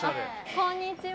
こんにちは。